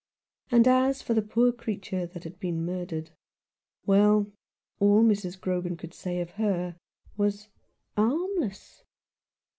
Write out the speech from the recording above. And as for the poor creature that had been murdered. Well, all Mrs. Grogan could say of her was " Harmless."